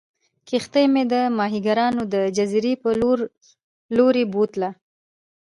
کښتۍ مې د ماهیګیرانو د جزیرې په لورې بوتله.